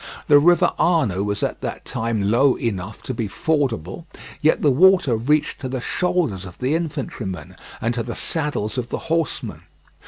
The river Arno was at that time low enough to be fordable, yet the water reached to the shoulders of the infantrymen and to the saddles of the horsemen.